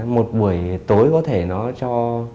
một buổi tối có thể nó cho